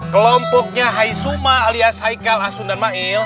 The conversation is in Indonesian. kelompoknya haisuma alias haikal asun dan mail